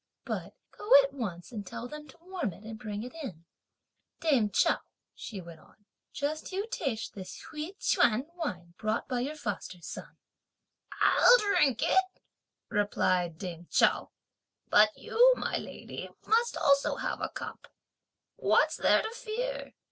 But go at once and tell them to warm it and bring it in! Dame Chao," she went on, "just you taste this Hui Ch'üan wine brought by your foster son." "I'll drink it," replied dame Chao, "but you, my lady, must also have a cup: what's there to fear?